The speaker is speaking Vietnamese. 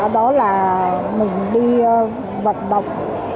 đó là mình đi vật đồng